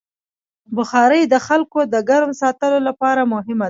بخاري د خلکو د ګرم ساتلو لپاره مهمه ده.